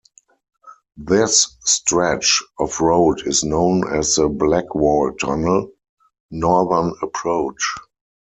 This stretch of road is known as the Blackwall Tunnel Northern Approach.